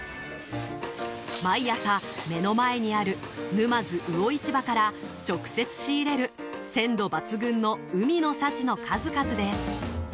毎朝、目の前にある沼津魚市場から直接仕入れる鮮度抜群の海の幸の数々です！